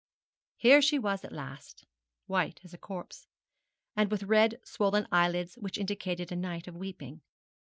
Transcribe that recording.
Here she was at last, white as a corpse, and with red swollen eyelids which indicated a night of weeping.